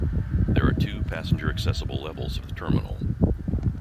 There are two passenger accessible levels of the terminal.